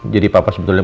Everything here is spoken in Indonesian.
jadi papa sebetulnya